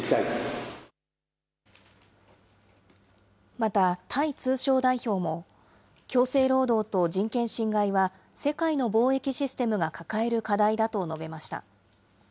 またタイ通商代表も、強制労働と人権侵害は世界の貿易システムが抱える課題だと述べました。